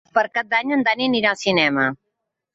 Per Cap d'Any en Dan anirà al cinema.